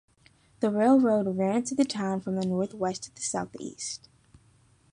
The railroad ran through the town from the northwest to the southeast.